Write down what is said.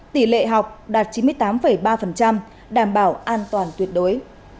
tỷ lệ học đạt chín mươi tám ba đảm bảo an toàn tuyệt đối